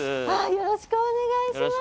よろしくお願いします。